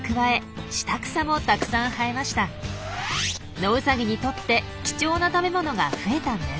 ノウサギにとって貴重な食べ物が増えたんです。